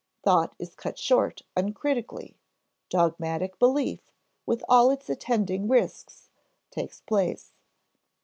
Thought is cut short uncritically; dogmatic belief, with all its attending risks, takes place.